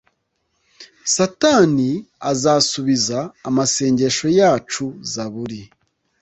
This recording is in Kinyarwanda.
satani azasubiza amasengesho yacu zaburi